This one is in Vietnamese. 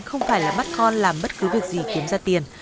không phải là bắt con làm bất cứ việc gì kiếm ra tiền